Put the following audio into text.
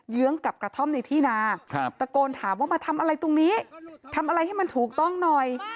ื้องกับกระท่อมในที่นาตะโกนถามว่ามาทำอะไรตรงนี้ทำอะไรให้มันถูกต้องหน่อย